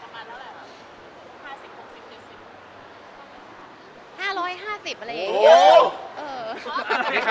เกินเอกชีวิตด้วยประมาณเท่าไหร่ป่ะ